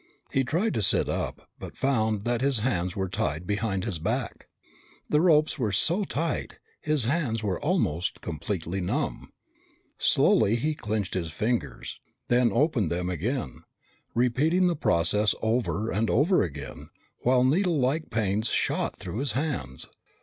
He tried to sit up but found that his hands were tied behind his back. The ropes were so tight, his hands were almost completely numb. Slowly he clenched his fingers, then opened them again, repeating the process over and over again while needlelike pains shot through his hands.